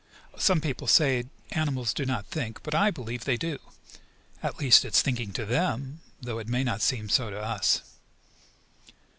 Some people say animals do not think, but I believe they do. At least it is thinking to them, though it may not seem so to us.